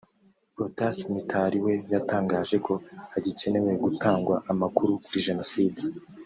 Protais Mitari we yatangaje ko hagikenewe gutangwa amakuru kuri Jenoside